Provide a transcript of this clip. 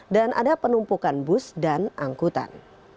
dan ada penumpukan bus dan angkutan